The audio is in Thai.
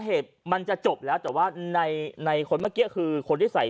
เหตุมันจะจบแล้วแต่ว่าในในคนเมื่อกี้คือคนที่ใส่